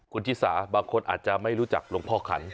คุณชิสาบางคนอาจจะไม่รู้จักหลวงพ่อขัน